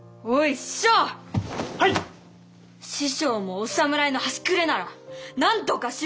師匠もお侍の端くれならなんとかしろよ！